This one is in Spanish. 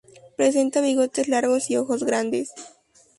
Presenta bigotes largos y ojos grandes.